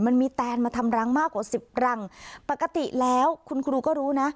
มันมีแตนมาทำรังมากกว่าสิบรังปกติแล้วคุณครูก็รู้นะ